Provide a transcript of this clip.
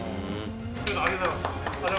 ありがとうございます！